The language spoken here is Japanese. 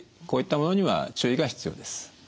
こういったものには注意が必要です。